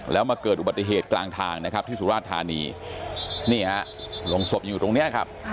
และมาเกิดอุบัติเหตุกลางทางที่สุราชธานี